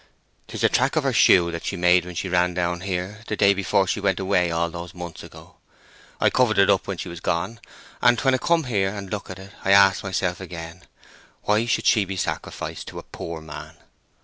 "'Tis the track of her shoe that she made when she ran down here the day before she went away all those months ago. I covered it up when she was gone; and when I come here and look at it, I ask myself again, why should she be sacrificed to a poor man?"